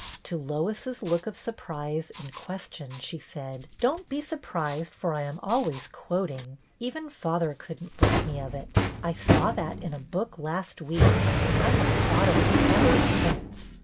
To Lois's look of surprise and question she said, —" Don't be surprised, for I am always quot ing. Even father could n't break me of it. I saw that in a book last week, and I have thought of it ever since."